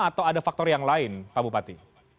atau ada faktor yang lain pak bupati